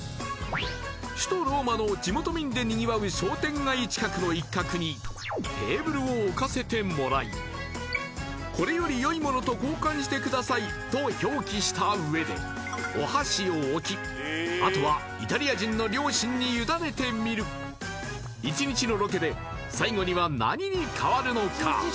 首都ローマの地元民でにぎわう商店街近くの一角にテーブルを置かせてもらいと表記した上でお箸を置きあとはイタリア人の良心に委ねてみる一日のロケで最後には何にかわるのか？